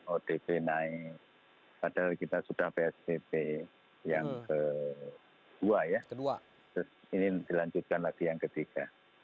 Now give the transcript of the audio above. odp naik padahal kita sudah psbb yang kedua ya ini dilanjutkan lagi yang ketiga